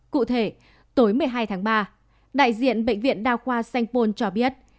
cụ thể tối một mươi hai tháng ba đại diện bệnh viện đa khoa sanh pôn cho biết